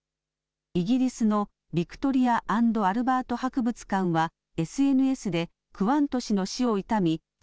イギリスのヴィクトリア・アンド・アルバート博物館はＳＮＳでクワント氏の死を悼み